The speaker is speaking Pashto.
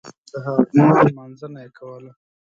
دهغو لمانځنه یې کوله.